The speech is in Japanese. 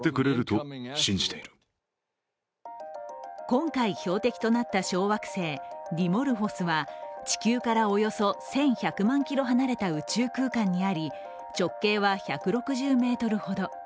今回標的となった小惑星ディモルフォスは地球からおよそ１１００万ｋｍ離れた宇宙空間にあり直径は１６０ｍほど。